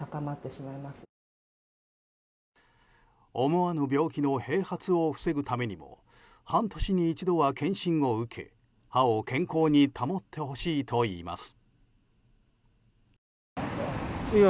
思わぬ病気の併発を防ぐためにも半年に一度は検診を受け歯を健康に保ってほしいといいます。